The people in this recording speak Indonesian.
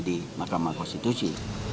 di mahkamah konstitusi